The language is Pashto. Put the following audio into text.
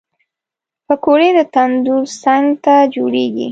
پکورې د تندور څنګ ته جوړېږي